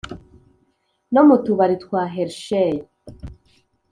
no mu tubari twa hershey